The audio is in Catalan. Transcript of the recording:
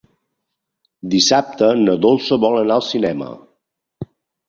Dissabte na Dolça vol anar al cinema.